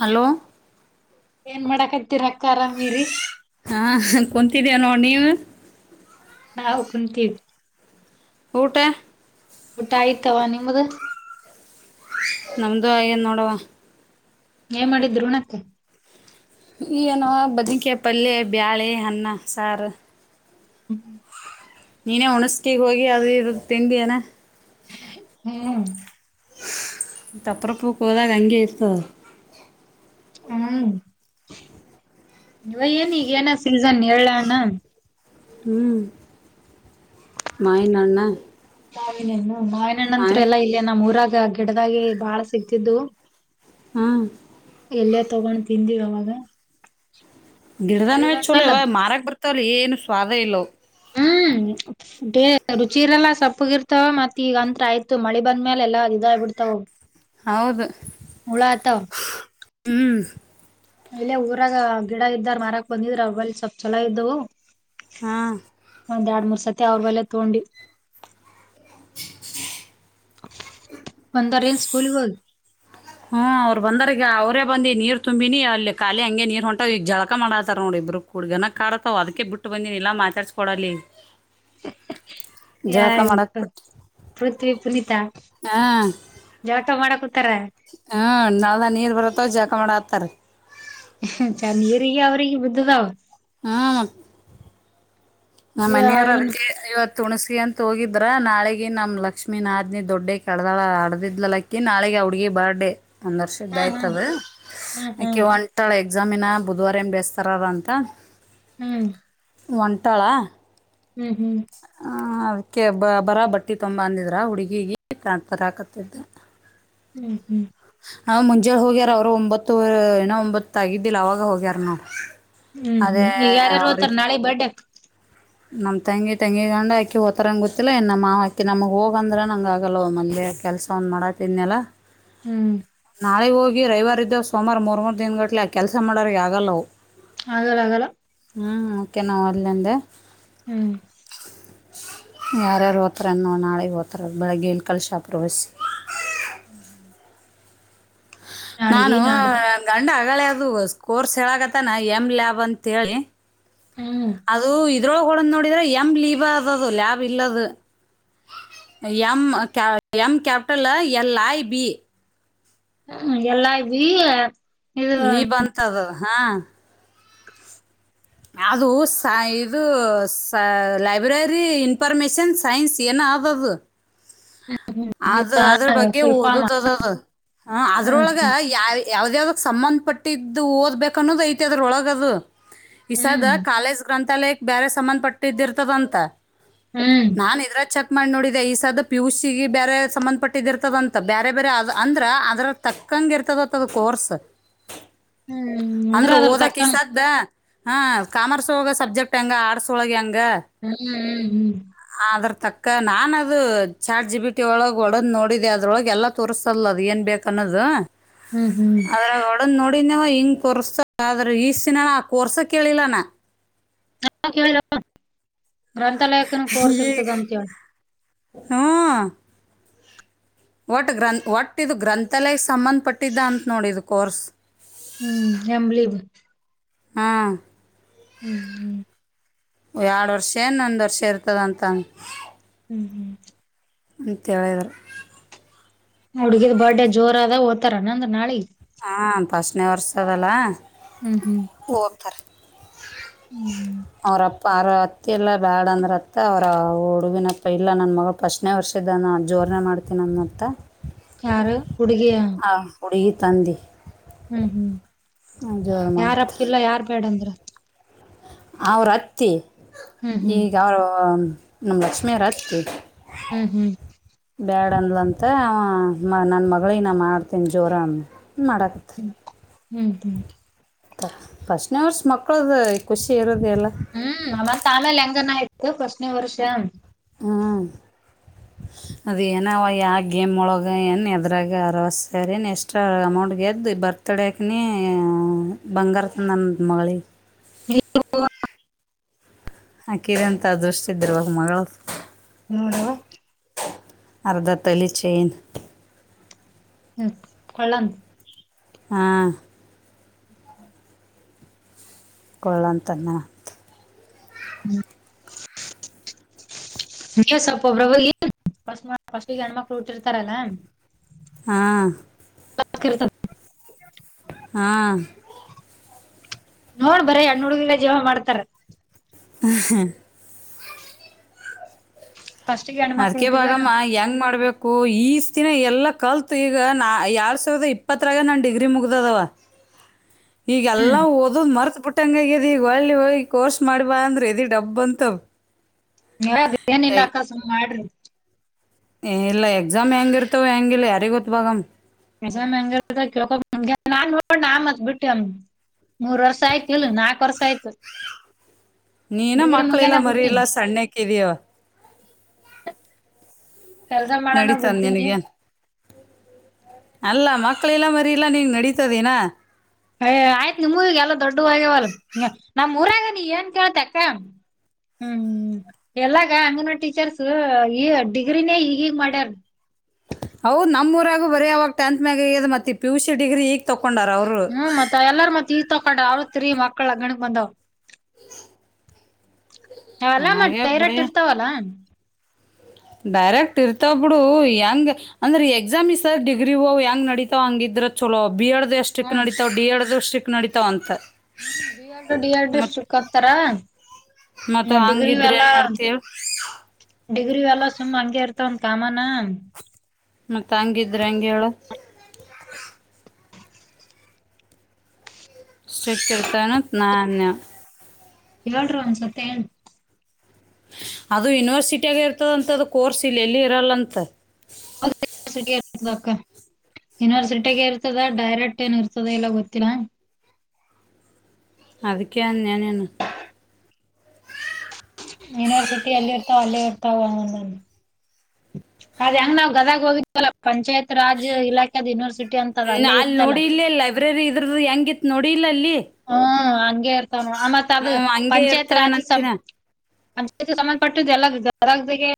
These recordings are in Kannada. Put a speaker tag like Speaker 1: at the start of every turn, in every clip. Speaker 1: ಹಲೋ
Speaker 2: ಏನ್ ಮಾಡಕತ್ತೀರ ಅಕ್ಕರಾಮೀರಿ
Speaker 1: ಹಾ ಕುಂತಿದವ ನೋಡ ನೀವು
Speaker 2: ನಾವು ಕುಂತೀವಿ
Speaker 1: ಊಟ
Speaker 2: ಊಟ ಆಯತವಾ ನಿಮ್ಮ್ದ
Speaker 1: ನಮ್ದು ಆಗೇದ ನೋಡವಾ
Speaker 2: ಏನ್ ಮಾಡಿದ್ರ ಉಣಕ್ಕ
Speaker 1: ಈ ಏನುವ ಬದನಿಕಾಯಿ ಪಲ್ಯ ಬ್ಯಾಳಿ ಅನ್ನ ಸಾರು
Speaker 2: ಹ್ಞೂ
Speaker 1: ನೀನೇ ಉಣಸತಿ ಗೆ ಹೋಗಿ ಅದು ಇದು ತಿಂದಿಯನ
Speaker 2: ಹ್ಮ್
Speaker 1: ತಪ್ರಪ್ಪೂಕ ಹೋದಾಗ ಹಂಗೆ ಇರ್ತದ ಅದ
Speaker 2: ಹಾರಿ ಇವ ಏನ ಈಗ ಏನ ಸೀಸನ್ ಹೇಳಲ್ಲ ಅಣ್ಣ.
Speaker 1: ಹು ಮಾವಿನಹಣ್ಣ.
Speaker 2: ಮಾವಿನಹಣ್ಣ ಅಂತರೂ ಇಲ್ಲೇ ನಮ್ಮ ಊರಾಗ ಗಿಡದಾಗೆ ಬಾಳ ಸಿಗ್ತಿದ್ದು. [inaudible]
Speaker 1: ಹಾ
Speaker 2: ಇಲ್ಲೇ ತಗೊಂಡು ತಿಂದಿವ ಅವನು,
Speaker 1: ಗಿಡದಾನೋ ಚೋಲೋ ಯವ್ವ ಮಾರಕ್ಕ ಬರ್ತರಿ ಏನು ಸ್ವಾದ ಇಲ್ಲ ಅವ
Speaker 2: ಹು [inaudible] ಏ ತ ರುಚಿರಲ್ಲಾ ಸಪ್ಪಗ ಇರ್ತವ ಮತ್ತ ಈಗ ಅಂತ್ ಆಯ್ತು ಮಳಿ ಬಂದ್ಮೇಲೆ ಎಲ್ಲಾ ಇದಗ ಬಿಡ್ತಾವ ಅವ,
Speaker 1: ಹೌದ ಹೂ [inaudible]
Speaker 2: ಇಲ್ಲೇ ಊರಾಗ ಗಿಡ ಇದ್ದರಾ ಮಾರಕ ಬಂದಿದ್ರ ಅವಲ್ಲಿ ಸ್ವಲ್ಪ ಚಲೋ ಇದ್ದವು.
Speaker 1: ಹಾಂ
Speaker 2: ಒಂದ ಎರಡ ಮೂರ ಸತಿ ಅವರ ಬಲಿ ತಗೊಂಡಿ. ಒಂದ ರಿಲೀಸ್ ಸ್ಕೂಲಿಗ ಹೋದ.
Speaker 1: ಹ ಅವರ ಬಂದಾರ ಈಗ ಅವರೇ ಬಂದಿ ನೀರು ತುಂಬಿನಿ ಅಲ್ಲಿ ಖಾಲಿ ಹಂಗೆ ನೀರು ಹೊಂಟ ಈಗ ಜಳಕ ಮಾಡತಾರ ನೋಡ ಇಬ್ಬರು. ಹುಡಗನ ಕಡತಾವ ಅದಕ್ಕೆ ಬಿಟ್ಟು ಬಂದಿನೀ ಇಲ್ಲಾ ಮಾತಾಡಸ ಕೋಡಲ್ಲ ಈಗ
Speaker 2: ಯಾ ಇದಕ್ಕ ಪೃಥ್ವಿ ಕುನಿತಾಳ ಜಳಕ ಮಾಡ ಕುಂತಾರ, [inaudible]
Speaker 1: ಹಾ ನಳದಾಗ ನೀರ ಬರತ್ತವ ಜಳಕ ಮಾಡತ್ತಾರ.
Speaker 2: ನೀರಿಗೆ ಅವ್ರಿಗೆ ಬುದ್ಧ ಅದವ,
Speaker 1: ಹಾ [inaudible] ನಮ್ಮ ಮನೆಯವರು
Speaker 2: ಏನು
Speaker 1: ಅದಕ್ಕೆ. [inaudible] ಇವತ್ತ ಊಣಸತ್ತಿ ಅಂತ ಹೋಗಿದ್ರ ನಾಳಿಗ ನಮ್ಮ ಲಕ್ಷ್ಮಿ ನಾದ್ನಿ ದೊಡ್ಡಕೀ ಹಡದಾಳ ಹಡದಿಲ್ಲ ಆಕಿ ಇನ್ ನಾಳೆಗ ಆ ಹುಡಗಿ ಬರ್ಡೇ ಒಂದ ವರ್ಷದ
Speaker 2: ಹಾ
Speaker 1: ಆಯ್ತ
Speaker 2: ಹಾ
Speaker 1: ಅದ ಆಕಿ
Speaker 2: ಹ್ಮ್
Speaker 1: ಹೊಂಟ ಹೊಂಟಳ ಎಕ್ಸಾಮಿನ ಬುಧವಾರ ಏನ್ ಬೇಸ್ತಾರದ ಅಂತ.
Speaker 2: ಹೂ
Speaker 1: ಹೊಂಟಳ?
Speaker 2: ಹೂ ಹೂ
Speaker 1: ಆ ಅದಕ್ಕೆ ಬ ಬರ ಬಟ್ಟೆ ತೊಂಬ ಅಂದಿದ್ರ ಆ ಹುಡುಗಿಗೆ ತಾ ತರಾಕತ್ತಿದ್ದೆ.
Speaker 2: ಹೂ ಹು
Speaker 1: ಹಾ ಮುಂಜಲೇ ಹೋಗ್ಯಾರ ಅವರು ಒಂಬತ್ತು ಏನೂ ಒಂಬತ್ತ ಆಗಿದ್ದಿಲ್ಲ ಅವಾಗ ಹೋಗ್ಯಾರ ನೋಡ [inaudible]
Speaker 2: ಹೂ ಹು ಈಗ ಯಾರ ಯಾರ ಹೊತ್ತರೆ ನಾಳಿಗ ಬರಡೇಗ [inaudible]
Speaker 1: ನಮ್ಮ ತಂಗಿ ಗಂಡ ಅಕಿ ಹೋತಾರಂಗ ಗೊತ್ತಿಲ್ಲ ಇನ್ನ ನಮ್ಮ ಮಾವ ಅತ್ತಿ ನಮಗ ಹೋಗ ಅಂದರ್ ನಂಗ ಆಗಲ್ಲ ನಮ್ಮದೇ ಕೆಲಸ ಅವನ ಮಾಡಾತ್ತಿದಿನ್ನೆಲ್ಲ.
Speaker 2: ಹೂ
Speaker 1: ನಾಳೆಗೆ ಹೋಗಿ ರವಿವಾರ ಇದೆವ ಸೋಮವಾರ ಮೂರು ಮೂರು ದಿನ ಗಂಟಲ್ಲೇ ಆ ಕೆಲಸ ಮಾಡೋರಿಗೆ ಆಗಲ್ಲ ಅವು,
Speaker 2: ಆಗಲ್ಲ ಆಗಲ್ಲ
Speaker 1: ಹೂ ಓಕೆ ನಾವ ಒಲೆ ಅಂದೆ.
Speaker 2: ಹೂ
Speaker 1: ಯಾರ್ಯಾರ ಹೊತ್ತರ ಅನ್ನ ನೋಡ ನಾಳೆಗ ಬರ್ತಾರ ಅವರ ಬೆಳಿಗ್ಗೆ ಇಲ್ಲಿ ಕೆಲಸ ಆಗತ್ತದ [inaudible]
Speaker 2: ಹ್ಮ್ ಹ್ಮ್
Speaker 1: ನಾನು
Speaker 2: ನಾಡ್ದ
Speaker 1: ಗಂಡ ಆಗಳೆಗ ಅದು ಸ್ಕೋರ್ಸ್ ಹೇಳಗತ್ತಾನ ಎಮ್ ಲ್ಯಾಬ್ ಅಂತ ಹೇಳಿ.
Speaker 2: ಹ್ಮ್
Speaker 1: ಅದು ಇದರೋಗ ಹೊಡದ ನೋಡಿದ್ರ ಎಮ್ ಲೀಬ ಅದದು ಲ್ಯಾಬ್ ಇಲ್ಲ ಅದ, ಎಂ ಕ್ಯಾ M capital L I B.
Speaker 2: ಹೂ ಎಲ್ ಐ ಬಿ.
Speaker 1: ಲೀ ಬಂತ ಅದ ಹಾ ಅದು ಸ ಇದು ಸ ಲೈಬ್ರರಿ ಇನ್ಫಾರ್ಮೇಶನ್ ಸೈನ್ಸ್ ಏನ ಅದು ಅದು ಅದ್ರ ಬಗ್ಗೆ
Speaker 2: ಫುಲ್ಫಾಮ
Speaker 1: ಓದದದದು ಹ ಅದ್ರೊಳಗ
Speaker 2: ಹ್ಮ್
Speaker 1: ಯಾವ [unintelligible] ಯಾವ್ದ ಯಾವ್ದಕ್ ಸಂಬಂಧ ಪಟ್ಟಿದ್ದು ಓದ್ಬೇಕ ಅನ್ನೋದು ಐತೆ ಅದ್ರ ಒಳಗದು
Speaker 2: ಹ್ಮ್
Speaker 1: ಈಸದ
Speaker 2: ಹ್ಮ್
Speaker 1: ಕಾಲೇಜ್ ಗ್ರಂಥಾಲ ಬೇರೆ ಸಂಬಂಧ ಪಟ್ಟಿದ್ದಿರ್ತದಂತ
Speaker 2: ಹ್ಮ್
Speaker 1: ನಾನ್ ಇದ್ರ ಚೆಕ್ ಮಾಡಿ ನೋಡಿದೆ ಈ ಸರ್ ಪಿಯುಸಿಗೆ ಬೇರೆ ಸಂಬಂಧ ಪಟ್ಟ ಇದ ಇರ್ತದಂತ ಬೇರೆ ಬೇರೆ ಅ ಅಂದ್ರ ಅದ್ರ ತಕ್ಕಂಗ ಇರ್ತದತ್ತದ ಕೋರ್ಸ್
Speaker 2: ಹ್ಮ್ ಅಂದ್ರ
Speaker 1: ಅಂದ್ರೆ
Speaker 2: ಅದ್ರ
Speaker 1: ಓದಕ ಈ
Speaker 2: ತಕ್ಕಂಗ
Speaker 1: ಸ್ದ ಹಾ ಕಾಮರ್ಸ್ ಒೋಗ ಸಬ್ಜೆಕ್ಟ್ ಹೆಂಗ ಆರ್ಟ್ಸ್ ಒಳಗೆ ಹೆಂಗ
Speaker 2: ಹ್ಮ್ ಹ್ಮ್ ಹ್ಮ್
Speaker 1: ಅದ್ರ ತಕ್ಕ ನಾನ್ದು ಚಾರ್ಜ್ ಬಿಟ್ಟ ಹಟ್ಟಿ ಳಗೆ ಒಡದ್ ನೋಡಿದೆ ಅದ್ರೊಳಗೆ ಎಲ್ಲಾ ತೋರಿಸಸತದಲ್ಲ ಅದ ಏನ್ ಬೇಕ ಅನ್ನದು
Speaker 2: ಹ್ಮ್ ಹ್ಮ್
Speaker 1: ಆದ್ರೆ [unintelligible] ಅಡಂದ್ ನೋಡಿದವ ಹಿಂಗ ಕ ಕೊರ್ಸ ಆದ್ರ ಈಷ್ಟಿನ ಆ ಕರ್ಸ ಕೇಳಿಲ್ಲಾನ
Speaker 2: ನಾ ಕೇಳ ಗ್ರಂಥಾಲಯಕ್ಕನ ಕೋರ್ಸಿ ಇರ್ತದ ಅಂತೇಳಿ
Speaker 1: ಹ್ಮ ಒಟ್ ಗ್ರಂಥ ಒಟ್ಟ ಇದು ಗ್ರಂಥಾಲಯ ಸಂಬಂಧಪಟ್ಟಿದ್ದ ಅಂತ ನೋಡಿಿದದು ಕೋರ್ಸ್
Speaker 2: ಹ್ಮ್ ಹೆಮಲಿಬ [unintelligible]
Speaker 1: ಹಾಂ
Speaker 2: ಹ್ಮ್ ಹ್ಮ್
Speaker 1: ಎ ಎರಡು ವರ್ಷ ಒಂದು ವರ್ಷ ಇರ್ತದೆ ಅಂದ್ರೆ
Speaker 2: ಹ್ಮ್ ಹ್ಮ್
Speaker 1: ಅಂತ ಹೇಳಿದರ
Speaker 2: ಹುಡುಗಿದ ಬರ್ಡೇ ಜೋರ ಅದ ಹೋಗ್ತಾರಾನ ನಂದ್ರ ನಾಳಿಗೆ
Speaker 1: ಹಾ ಫಸ್ಟ್ ನೆ ವರ್ಷದಲ್ಲ
Speaker 2: ಹ್ಮ್ ಹ್ಮ್
Speaker 1: ವ ಅಬ್ತಾರೆ
Speaker 2: ಹ್ಮ್
Speaker 1: ಅಬ್ [unintelligible] ಪಾರ ಅತ್ತೆ ಎಲ್ಲ ಬ್ಯಾಡ ಅಂದ್ರೆ ಅತ್ತ ಅವರ ಹುಡುಗಿನಪ್ಪ ಇಲ್ಲ ನನ್ನ ಮಗಳು ಫಸ್ಟ್ನನೆ ವರ್ಷದಾನ ಜೋರನೇ ಮಾಡ್ ಇನೊನ್ನತ್ತ
Speaker 2: ಯಾರು ಹುಡುಗಿಯ
Speaker 1: ಹಾ ಹುಡುಗಿ ತಂದೆ
Speaker 2: ಹ್ಮ್ ಹ್ಮ್
Speaker 1: ಜೋರು ಮಾಡುತ್ತೆ
Speaker 2: ಯಾರಪ್ಪಿಲ್ಲ ಯಾರ್ ಬೇಡ ಅಂದ್ರ
Speaker 1: ಅವ್ರತ್ತಿ
Speaker 2: ಹ್ಮ್ ಹ್ಮ್
Speaker 1: ಈಗ ಅವ್ರ ನಮ್ಮ ಲಕ್ಷ್ಮಿಯವ್ರ ಅತ್ತಿ
Speaker 2: ಹ್ಮ್ ಹ್ಮ್
Speaker 1: ಬ್ಯಾಡ ಅಂದ್ಲಂತ ನನ್ನ ಮಗಳಗ ನ ಮಾಡ್ತೀನಿ ಜೋರ ಮಾಡಕ
Speaker 2: ಹ್ಮ್ ಹ್ಮ್
Speaker 1: ಫಸ್ಟ್ ವರ್ಷ ಮಕ್ಕಳ್ದ ಖುಷಿ ಇರೋದೇ ಅಲ್ಲ
Speaker 2: ಹ್ಮ್ ಮಮತ್ [unintelligible] ಆಮೇಲೆ ಹೆಂಗನ ಆ್ತು ಫಸ್ನೇ ವರ್ಷ
Speaker 1: ಹಾ ಅದು ಏನ ಅವ ಯಾವ ಗೇಮ್ ಳಗೆ ಏನು ಎದ್ರಾಗ ಅರ ಸರಿಏನು ಎಷ್ಟಟ್ರಾ ಅಮೌಂಟ್ ಗೆದ್ದು ಬರ್ತ ತೊಡಿಯಕನ ಬಂಗಾರಂತ ನನ್ನದು ಮಗಳಿಗೆ ಆ ಕಿರೆ ಅಂತ ದುೃಷ್ಟ್ದಿ ಇರುವಾಗ ಮಗಳು
Speaker 2: ನೋಡುವ
Speaker 1: ಅರ್ಧತಳಿ ಚೈನ್
Speaker 2: ಹ್ಮ ಹೊಳಂ
Speaker 1: ಹಾ. ಕೊಳ್ಳೋಂತನ್ನು.
Speaker 2: ಹ್ಮ್. ನೀವ್ ಸ್ವಪೊಬ್ರಬಸ್ ಫಸ್ಟ್ ಗ ಹೆಣ್ಮಕ್ಳು ಹಟ್ಟಿರ್ತಾರಲ್ಲ.
Speaker 1: ಹಾಂ.
Speaker 2: [unintelligible]
Speaker 1: ಹಾಂ.
Speaker 2: ನೋಡ್ ಬರೇ ಹೆಣ್ಣ್ ಹುಡ್ಗಿನ ಜೀವ ಮಾಡ್ತಾರ.
Speaker 1: [unintelligible]
Speaker 2: ಫಸ್ಟಿಗೆ ಹೆಣ್ಮಕ್ಳು
Speaker 1: ಅದ್ಕ
Speaker 2: ಹುಟ್ಟಿದಾರ
Speaker 1: ಭಾಗಮ್ಮ ಹೆಂಗ್ ಮಾಡ್ಬೇಕ. ಓ ಈಸ್ ದಿನ ಎಲ್ಲ ಕಲ್ತು ಈಗ ನಾ ಎರಡ ಸಾವಿರದ ಇಪ್ಪತ್ತರಾಗ ನಾನು ಡಿಗ್ರಿ ಮುಗ್ದದವ. [inaudible] ಈಗ
Speaker 2: ಹ್ಮ್
Speaker 1: ಎಲ್ಲಾ ಓದುದ ಮರ್ತ ಬಿಟ್ಟಂಗಗದ ಈಗ ಒಳ್ಳಿ ಹೋಗಿ ಕೋರ್ಸ್ ಮಾಡ್ಬಾ ಅಂದ್ರೆ ಎದಿ ಡಬ್ ಅಂತದ.
Speaker 2: [unintelligible] ಅಕ್ಕ ಸುಮ್ ಮಾಡ್ರಿ.
Speaker 1: ಏ ಇಲ್ಲ ಎಕ್ಸಾಮ್ ಹೆಂಗಿರ್ತವೆ ಹೆಂಗಿಲ್ಲ ಯಾರಿಗ ಗೊತ್ತ ಬಾಗಮ್ಮ.
Speaker 2: [unintelligible] ಮೂರ್ ವರ್ಷ ಆಯ್ತ. ಇಲ್ಲ ನಾಲ್ಕ ವರ್ಷ ಆಯ್ತ.
Speaker 1: ನೀನ ಇನ್ನ ಮಕ್ಳಿಲ್ಲ ಮರಿ
Speaker 2: ಬಿಟ್ಟಿನಿ
Speaker 1: ಇಲ್ಲ ಸಣ್ಣಕ್ ಇದ್ಯವ.
Speaker 2: ಕೆಲ್ಸ ಮಾಡಣಾಗ್
Speaker 1: ನಡೀತದ
Speaker 2: ಬಿಡ್ತೀನಿ.
Speaker 1: ನಿನಗೇನು ಅಲ್ಲ ಮಕ್ಕಳಿಲ್ಲ ಮರಿಲ್ಲ ನಿಂಗ್ ನಡೀತದೀನ.
Speaker 2: ಏ ಆಯ್ತ್ ನಿಮ್ ಊರಿಗೆ ಎಲ್ಲ ದೊಡ್ಡವೋಗ್ಯವಲ್ ನಮ್ ಊರಾಗ ನೀ ಏನ್ ಕೇಳ್ತ ಅಕ್ಕ. ಹ್ಮ್ ಎಲ್ಲಾಗ ಅಂಗನವಾಡಿ ಟೀಚರ್ಸ್ ಈ ಡಿಗ್ರಿನೇ ಈಗ ಈಗ ಮಾಡ್ಯಾರ.
Speaker 1: ಹೌದ ನಮ್ಮ್ ಊರಾಗ ಬರಯವಾಗ ಟೆಂತ್ ಮ್ಯಾಗ ಮತ್ತ ಪಿು ಸಿ ಡಿಗ್ರಿ ಈಗಗ ತೊಕೊಂಡಾರ ಅವರ.
Speaker 2: ಹ್ಮ್ ಮತ್ ಎಲ್ಲಾರ ಮತ್ ಈತ ತಕೊಂಡ ಅವ್ರತ್ರಿ ಮಕ್ಳ ಆಕಡೆ ಬಂದಾವ. ಅವ ಎಲ್ಲಾ ಮತ್ತ್
Speaker 1: ಹಾಗೆ
Speaker 2: ಡೈರೆಕ್ಟ್
Speaker 1: ಬಿಡಿ
Speaker 2: ಇರ್ತಾವಲ್ಲಾ.
Speaker 1: ಡೈರೆಕ್ಟ್ ಇರ್ತಾವ ಬಿಡು ಹೆಂಗ್. ಅಂದ್ರೆ ಎಕ್ಸಾಮಿ ಸರ್ ಡಿಗ್ರಿ ಹ್ ಹೆಂಗ ನಡೀತಾವ ಹಂಗಿದ್ರ. ಚಲೋ ಬಿ ಎಡ್ ದ ಎಷ್ಟಿಕ್
Speaker 2: ಹ್ಮ್
Speaker 1: ನಡಿತಾವ ಡಿ ಎಡ್ ದಷ್ಟಿಕ್ ನಡತಾವ ಅಂತ.
Speaker 2: ಹ್ಮ್ ಬಿ ಎಡ್ ಡಿ ಎಡ್
Speaker 1: ಮತ್
Speaker 2: ಸ್ಟ್ರಿಕ್ ಹಾಕ್ಕಾರ.
Speaker 1: ಮತ್ತ
Speaker 2: ಹ್ಮ ಡಿಗ್ರಿವ
Speaker 1: ಹಂಗಿದ್ರೆ
Speaker 2: ಎಲ್ಲ.
Speaker 1: ಏನ್ ಮಾಡ್ತೀವಿ
Speaker 2: ಡಿಗ್ರಿ ಎಲ್ಲ ಸುಮ್ಮ್ ಹಂಗೆ ಇರ್ತವಂದ ಕಾಮಾನ.
Speaker 1: ಮತ್ತತ ಹಂಗಿದ್ರೆ ಹೆಂಗ ಹೇಳು. ಸ್ಟ್ರಿಕ್ಟ್ ಇರ್ತನ ಅತ್ತ್ ನಾ ಅನ್ನಿನಾ.
Speaker 2: ಹೇಳ್ರಿ ಒಂದ್ಸತ್ತ ಏನ.
Speaker 1: ಅದು ಯೂನಿವರ್ಸಿಟಿಯಾಗಿ ಇರ್ತದಂತ ಅದು ಕೋರ್ಸ್ ಇಲ್ಲ ಎಲ್ಲೂ ಇರಲ್ಲಂತ.
Speaker 2: ಟ ಇರ್ತದ ಯನಿವರ್ಸಿಟಿಗೆ ಇರ್ತದ ಡೈರೆಕ್ಟ್ ಏನ್ ಇರ್ತದೆ ಇಲ್ಲ ಗೊತ್ತಿಲ್ಲಾ.
Speaker 1: ಅದಕ್ಕೆ ಅದ್ನ್ಯ್ ನಿನ್ನ.
Speaker 2: ಯೂನಿವರ್ಸಿಟಿ ಎಲ್ಲಿ ಇರ್ತಾವ ಅಲ್ಲೇ ಇರ್ತಾವ ಹಂಗಂದ. ಅದ ಹೆಂಗ್ ನಾವ್ ಗದಗ ಹೋ ಇಲ್ಲ ಪಂಚಾಯತ್ ರಾಜ್ ಇಲಾಖಾದ್ ಯೂನಿವರ್ಸಿಟಿ ಅಂತದ್ ಅಲ್ಲೇ ಇರ್ತ್ತಲ್ಲ.
Speaker 1: ಇ್ರರಿ ಇದ್ರದ್ದ ಹೆಂಗಿತ್ತ ನೋಡಿ ಇಲ್ಲ ಅಲ್ಲಿ.
Speaker 2: ಹ್ಮ ಹಂಗೆ ಇರ್ತಾನ ಆ ಮತ್
Speaker 1: ಹ್ಞೂ
Speaker 2: ಅದು
Speaker 1: ಹಂಗೆ
Speaker 2: ಪಂಚಾಯತ್ ರಾಜ್ ಸಂ
Speaker 1: ಇರ್ತವೇನಂತಿನ
Speaker 2: ಸಂಬಂಧಪಟ್ಟು ಎಲ್ಲರಗೆ [unintelligible]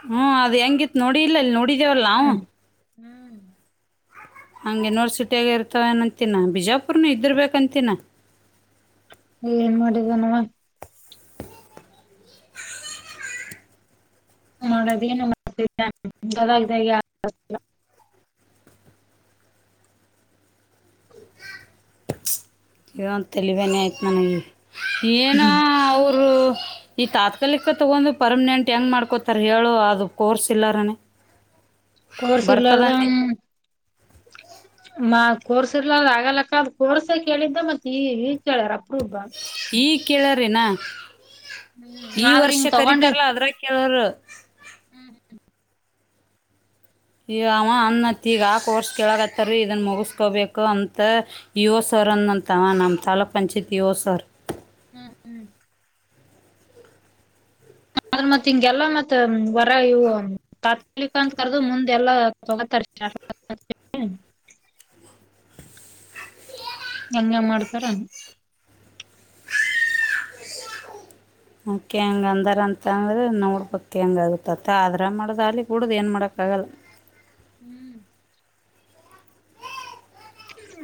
Speaker 1: ಹ್ಮ್ ಅದ ಹೆಂಗಿತ್ ನೋಡಿ ಇಲ್ಲ ಅಲ್ಲಿ ನೋಡಿದೇವಲ್ಲ ನಾವು.
Speaker 2: ಹ್ಮ್ ಹ್ಮ್.
Speaker 1: ಹಂಗೆ ಯುನಿವರ್ಸಿಟಿಯಾಗ ಇರ್ತವೇನ ಅಂತೀನ ಬಿಜಾಪುರ್ನು ಇದ್ರ ಬಬೇಕ ಅಂತೀನ.
Speaker 2: ಇಲ್ಲ ಏನ್ ಮಾಡಿದ ನವ. ನೋಡೋದ ಏನ. [unintelligible]
Speaker 1: ಇಂದು ತಲವೇನ ಆಯ್ತು ಮನಗೆ ಏನೋ ಅವರು. ಈ ತಾತ್ಕಾಲಿಕ ತಗೊಂಡು ಪರ್ಮನೆಂಟ್ ಹೆಂಗ್ ಮಾಡ್ಕೊತಾರ ಹೇಳು ಅದು ಕೋರ್ಸ್ ಇಲ್ಲಾರನನೆ.
Speaker 2: ಕರ್ ಸುಳ್ಳಾಲದಾ.
Speaker 1: [inaudible]
Speaker 2: ಮ ಕೋರ್ಸಿರ್ಲಾರ ಆಗಲಕ್ಕ ಅ ಕೋರ್ಸ ಕೇಳಿದ್ದ ಮತ್ ಈ ಈಗ್ ಕೇಳ್ಯಾರ ಅಪ್ ಒಬ್ಬ.
Speaker 1: ಈಗ ಕೇಳ್ರೇನಾ
Speaker 2: ಹ್ಮ್
Speaker 1: ಈ
Speaker 2: ಆದ್ರ
Speaker 1: ವರ್ಷ
Speaker 2: ಹಿಂಗ್
Speaker 1: ಕರತಾರಲ್ಲಾ ಅದ್ರ ಕೇಳರು.
Speaker 2: ಹ್ಮ್ ಹ್ಮ್.
Speaker 1: ಈಗ ಅವ ಅನ್ನತ್ತ ಈಗ ಆ ಕೋರ್ಸ್ ಕೆಳಗತ್ತಾರೀ ಇದನ್ನ ಮುಗಿಸ್ಕೊಬೇಕು ಅಂತ. ಇ ಸರ್ ಅಂದಂತಾವ ನಮ್ಮ್ ತಾಲೂಕ್ ಪಂಚಾಯತಿ ಸರ್.
Speaker 2: ಹ್ಮ್ ಹ್ಮ್. ಆದ್ರ ಮತ್ ಹಿಂಗೆಲ್ಲ ಮತ್ತ ವರ ಇವು. ತಾತ್ಕಾಲಿಕ ಅಂತ ಕರೆದು ಮುಂದೆಲ್ಲಾ ತಗೋತಾರೆ. ಹಂಗ ಮಾಡ್ತಾರ.
Speaker 1: ಕೆ ಹೆಂಗ ಅಂದಾರ ಅಂತಂದ್ರೆ ನೋಡ್ಬೇಕಕ್ ಹೆಂಗ ಆಗುತ್ತತ್ತ ಆದದ್ರ ಮಾಡ್ದ್ ಅಲಿ ಕೂಡುದ ಏನ್ ಮಾಡಕ್ಕ ಆಗಲ್ಲ.
Speaker 2: ಹ್ಮ್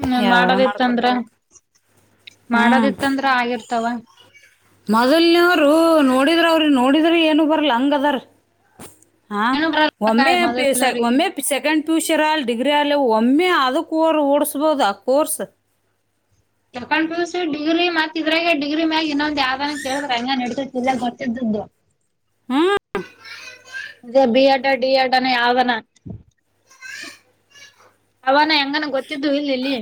Speaker 2: ಹ್ಮ
Speaker 1: ಯಾವರ
Speaker 2: ಮಾಡದಿತ್ತಂದ್ರ
Speaker 1: ಮಾಡ್ಕೊತವ ಹ್ಮ್
Speaker 2: ಮಾಡೋದಿತ್ತಂದ್ರ ಆಗಿರ್ತಾವ
Speaker 1: ಮೊದಲ್ನವರು ನೋಡಿದ್ರ ಅವ್ರಿ ನೋಡಿದ್ರಿ ಏನು ಬರಲ್ಲ ಹಂಗ ಅದಾರ ಹಾ
Speaker 2: ಏನು ಬರಲ್ಲಕ್ಕ
Speaker 1: ಒಮ್ಮೆ ಪ
Speaker 2: ಮೊದಲ್ನೋರಿಗ್.
Speaker 1: ಒಮ್ಮೆ ಸೆಕೆಂಡ್ ಪಿಯುಸಿ ಅಲ್ ಡಿಗ್ರಿ ಆಲಿ ಒಮ್ಮೆ ಅದಕ್ ಓಡಸ್ಬಹದು ಆ ಕೋರ್ಸ್
Speaker 2: ಸೆಕೆಂಡ್ ಪಿಯುಸಿ ಡಿಗ್ರಿ ಮತ್ ಇದ್ರಾಗ ಡಿಗ್ರಿ ಮ್ಯಾಗ ಇನ್ನೊಂದ್ ಯಾವ್ದನ ಕೇಳಿದ್ರ ಹಂಗ ನಡತತಿ ಇಲ್ಲ ಗೊತ್ತಿದ್ದ್
Speaker 1: ಹ್ಮ್
Speaker 2: ಅ ಬಿ ಎಡ್ ಡಿಯಡಾನ ಯಾವ್ದಾನ ಅವಾನ ಹೆಂಗನ ಗೊತ್ತಿದ್ದು ಇಲ್ಲ ಇಲ್ಲಿ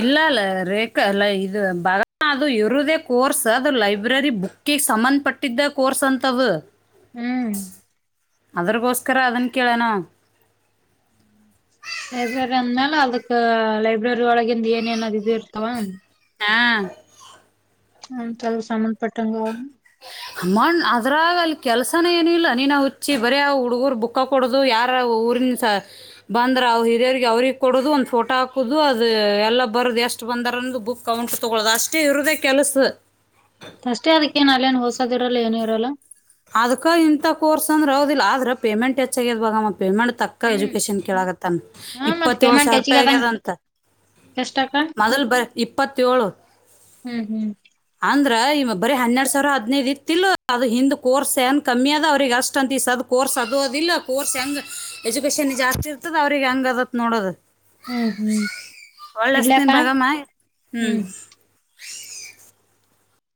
Speaker 1: ಇಲ್ಲ ಅಲ್ಲ ರೇಖಾಲ್ಲ ಇದು ಬ ಅದು ಇರುದೇ ಕೋರ್ಸ್ ಅದು ಲೈಬ್ರರಿ ಬುಕ್ ಕ ಸಂಬಂಧ ಪಟ್ಟಿದ್ದ ಕೋರ್ಸ್ ಅಂತವು
Speaker 2: ಹ್ಮ್
Speaker 1: ಅದ್ರಗೋಸ್ಕರ ಅದನ್ನ ಕೇಳೋಣ
Speaker 2: ಲೈಬ್ರರಿ ಅಂದ್ಮ್ಯಾಲ ಅದಕ್ಕ ಲೈಬ್ರರಿ ಒಳಗಿಂದ ಏನ್ ಏನಾದ ಇದು ಇರ್ತಾವ
Speaker 1: ಹಾ
Speaker 2: ಹಂತದು ಸಂಬಂಧ ಪಟ್ಟಂಗ ಅವ
Speaker 1: ಮ್ಮಣ್ ಅದ್ರಾಗ ಅಲ್ಲಿ ಕೆಲ್ಸಾನ ಏನಿಲ್ಲ ನೀನ ಹುಚ್ಚಿ ಬರ ಹುಡುಗರು ಬುಕ್ ಕೊಡೋದು ಯಾರ ಊರಿನ ಸ ಬಂದ್ರೆ ಅವ್ ಹಿರಿಯ್ರರಿಗೆ ಅವ್ರಿಗೆ ಕೊಡದು ಒಂದು ಫೋಟೋ ಹಾಕದು ಅದು ಎಲ್ಲ ಬರದು ಎಷ್ಟು [unintelligible] ಅಷ್ಟ ಬಂದರಂದು ಬುಕ್ ಕೌಂಟ್ ತಗೊಳ್ಳೋದು ಅಷ್ಟೇ ಇರೋದೇ ಕೆಲಸ
Speaker 2: ಅಷ್ಟೇ ಅದಕ್ಕೇನ್ ಅಲ್ಲಿ ಏನ್ ಹೊಸದ ಇರಲ್ಲ ಏನ ಇರಲ್ಲ.
Speaker 1: ಅದ್ ಇಂಥ ಕೋರ್ಸ್ ಅಂದೆ ಹೌದಿಲ್ಲ ಆದ್ರೆ ಪೇಮೆಂಟ್ ಹೆಚ್ಚಾಗಿದಮ್ಮ ಪೇಮೆಂಟ್ ತಕ್ ತಕ್ಕ
Speaker 2: ಹ್ಮ್
Speaker 1: ಎಜುಕೇಶನ್ ಕೇಳಳಗತ್ತನ್
Speaker 2: ಹಾ ಮತ್
Speaker 1: ಇಪ್ಪತ್ತೇಳು
Speaker 2: ಪೇಮೆಂಟ್
Speaker 1: ಸಾವಿರ ರೂಪಾಯಿ
Speaker 2: ಹೆಚ್ಚಿಗದಂಗ
Speaker 1: ಆಗ್ಯದ ಅಂತ,
Speaker 2: ಎಷ್ಟಕ್ಕ
Speaker 1: ಮೊದಲ್ ಬರ ಇಪ್ಪತ್ತೋಳು,
Speaker 2: ಹ್ಮ್ ಹ್ಮ್
Speaker 1: ಅಂದ್ರ ಇವ ಬರಿ ಹನ್ನೆರಡ್ ಸಾವಿರ ಹದಿನೈದು ಇತಿಲ್ ಅದು ಹಿಂದ, ಕೋರ್ಸ್ ಹೆಂಗೆ ಕಮ್ಮಿ ಅದ ಅವ್ರಿಗೆ ಅಷ್ಟು ಅಂತ ಈ ಅದು ಕೋರ್ಸ್ ಅದು ಅದಿಲ್ಲ ಕೋರ್ಸ್ ಹೆಂಗೆ ಎಜುಕೇಷನ್ ಜಾಸ್ತಿ ಇತ್ತದ ಅವ್ರಿಗೆ ಹಂಗದತ್ ನೋಡದು
Speaker 2: ಹ್ಮ್ ಹ್ಮ್
Speaker 1: ಒಳ್ಳಸ್ನ್
Speaker 2: ಇಡ್ಲಕ್ಕ
Speaker 1: ಬಗಮ್ಮ ಹ್ಮ್